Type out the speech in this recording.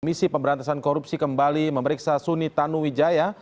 misi pemberantasan korupsi kembali memeriksa suni tanuwijaya